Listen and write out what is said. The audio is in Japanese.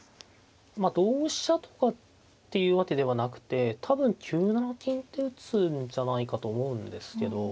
同飛車とかっていうわけではなくて多分９七金って打つんじゃないかと思うんですけど。